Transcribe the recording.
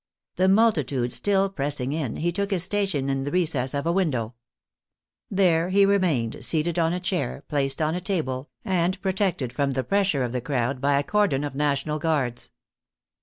The multitude still pressing in, he took his station in the recess of a window. There he remained, seated on a chair, placed on a table, and protected from the pressure of the crowd by a cordon of National Guards.